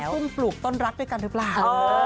เขาซุ่มปลูกต้นรักไปกันหรือเปล่า